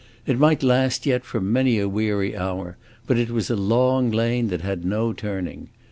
It might last yet for many a weary hour; but it was a long lane that had no turning.